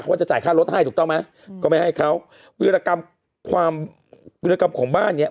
เขาจะจ่ายค่ารถให้ถูกต้องไหมก็ไม่ให้เขาวิรกรรมของบ้านเนี่ย